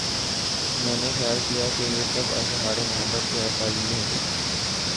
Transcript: میں نے خیال کیا کہ یہ سب اظہار محبت کے اسالیب ہیں۔